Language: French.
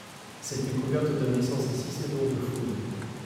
Cette découverte donne naissance à six saisons de fouille.